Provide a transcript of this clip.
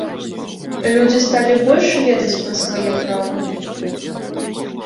Людзі сталі больш ведаць пра свае правы?